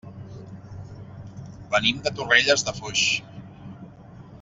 Venim de Torrelles de Foix.